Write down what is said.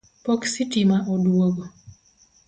Pok sitima oduogo